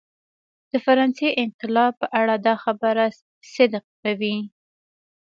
د فرانسې انقلاب په اړه دا خبره صدق کوي.